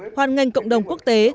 hoàn ngành cộng đồng quốc tế